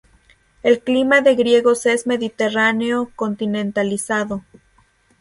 El clima de Griegos es mediterráneo continentalizado.